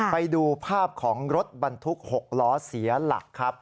ไปดูภาพของรถบรรทุก๖ล้อเสียหลักครับ